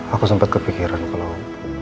aku sempat kepikiran kalau